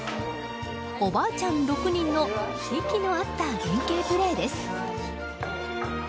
おばあちゃん６人の息の合った連係プレーです。